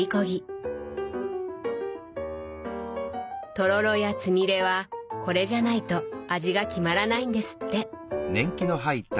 とろろやつみれはこれじゃないと味が決まらないんですって。